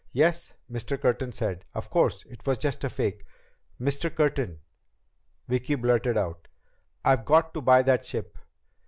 "Yes?" Mr. Curtin said. "Of course, it was just a fake." "Mr. Curtin," Vicki blurted out, "I've got to buy that ship!